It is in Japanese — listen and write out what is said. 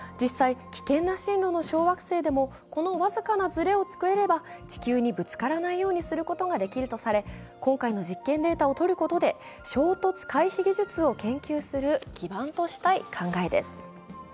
実際、危険な進路の小惑星でもこのわずかなずれを使えれば地球にぶつからないようにすることができるとされ、今回の実験データをとることで、衝突回避技術を研究する基盤としたい考えです。